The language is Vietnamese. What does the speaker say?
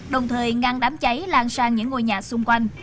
đồng thời ngăn đám cháy lan sang những ngôi nhà xung quanh